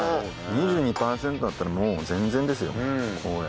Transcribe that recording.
２２パーセントだったらもう全然ですよ。